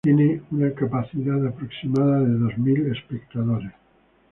Tiene una capacidad aproximada de dos mil espectadores.